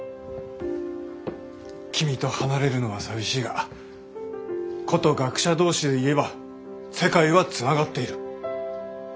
君と離れるのは寂しいがこと学者同士で言えば世界はつながっている。